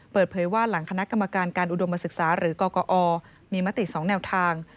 เปิดเผยว่าหลังคณะกรรมการการอุดมศึกษาหรือกกอมีมติ๒แนวทาง